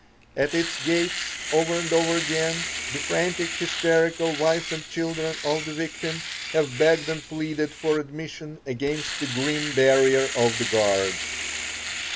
At its gates, over and over again, the frantic, hysterical wife and children of the victim have begged and pleaded for admission against the grim barrier of the guards.